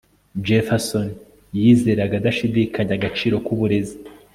jefferson yizeraga adashidikanya agaciro k'uburezi